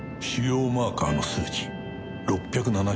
「腫瘍マーカーの数値６７３に」